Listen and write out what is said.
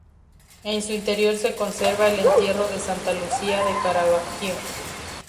En su interior se conserva "El entierro de Santa Lucía" de Caravaggio.